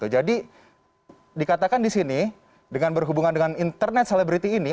jadi dikatakan di sini dengan berhubungan dengan internet celebrity ini